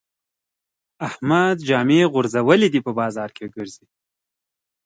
احمد جامې غورځولې دي؛ په بازار کې ګرځي.